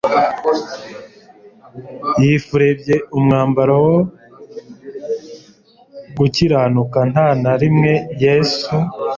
yifurebye umwambaro wo gukiranuka. Nta na rimwe Yesu,